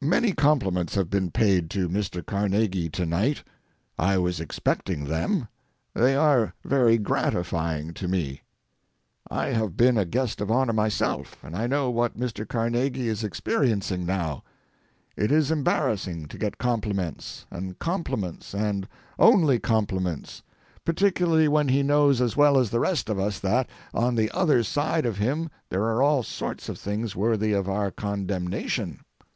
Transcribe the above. Many compliments have been paid to Mr. Carnegie to night. I was expecting them. They are very gratifying to me. I have been a guest of honor myself, and I know what Mr. Carnegie is experiencing now. It is embarrassing to get compliments and compliments and only compliments, particularly when he knows as well as the rest of us that on the other side of him there are all sorts of things worthy of our condemnation.